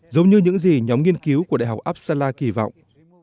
giống như những gì nhóm nghiên cứu của đại học upsala kỳ vọng